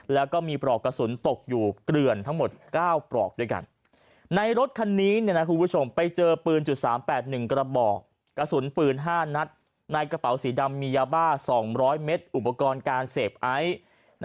แล้วก็มีปลอกกระสุนตกอยู่เกลื่อนทั้งหมด๙ปลอกด้วยกัน